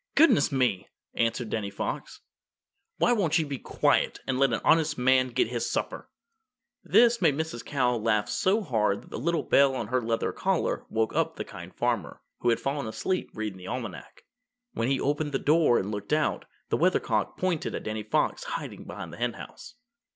"Goodness me!" answered Danny Fox, "won't you be quiet and let an honest man get his supper?" This made Mrs. Cow laugh so hard that the little bell on her leather collar woke up the Kind Farmer, who had fallen asleep reading the Almanac. When he opened the door and looked out, the Weathercock pointed at Danny Fox hiding behind the Henhouse.